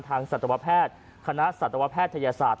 สัตวแพทย์คณะสัตวแพทยศาสต